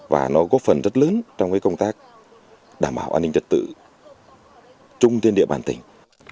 và nó góp phần rất lớn trong công tác đảm bảo an ninh chất tự trung tiên địa bàn tỉnh